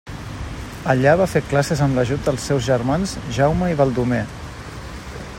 Allà va fer classes amb l'ajut dels seus germans Jaume i Baldomer.